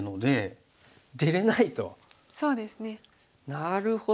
なるほど。